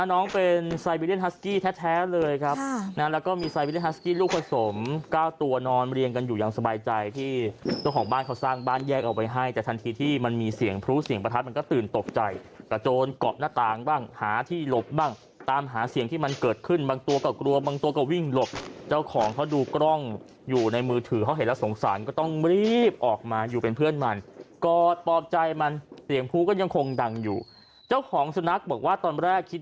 น้องเป็นไซบิลเลี่ยนฮัสกี้แท้เลยครับแล้วก็มีไซบิลเลี่ยนฮัสกี้ลูกผสม๙ตัวนอนเรียงกันอยู่อย่างสบายใจที่เจ้าของบ้านเขาสร้างบ้านแยกเอาไว้ให้แต่ทันทีที่มันมีเสียงพลุเสียงประทับมันก็ตื่นตกใจกระโจนกรอบหน้าตางบ้างหาที่หลบบ้างตามหาเสียงที่มันเกิดขึ้นบางตัวก็กลัวบางตัวก็วิ